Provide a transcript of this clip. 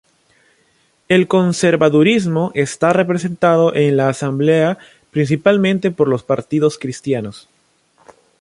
El conservadurismo está representado en la Asamblea principalmente por los partidos cristianos.